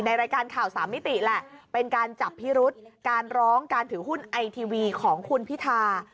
รายการข่าวสามมิติแหละเป็นการจับพิรุษการร้องการถือหุ้นไอทีวีของคุณพิธา